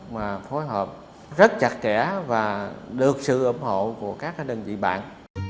mà phối hợp rất chặt kẽ và được sự ủng hộ của các đơn vị bạn